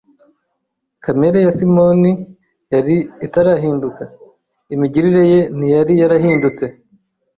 kamere ya Simoni yari itarahinduka, imigirire ye ntiyari yarahindutse.